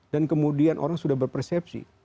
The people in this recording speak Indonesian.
dan kemudian orang sudah berpersepsi